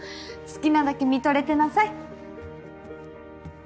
好きなだけ見とれてなさい。